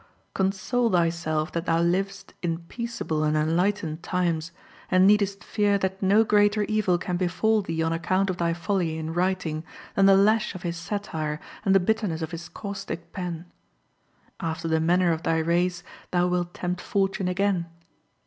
console thyself that thou livest in peaceable and enlightened times, and needest fear that no greater evil can befall thee on account of thy folly in writing than the lash of his satire and the bitterness of his caustic pen. After the manner of thy race thou wilt tempt Fortune again.